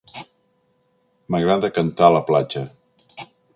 M'agrada cantar a la platja.